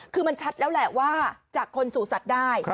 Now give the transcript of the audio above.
คือมันชัดแล้วแหละว่าจากคนสู่สัตว์ได้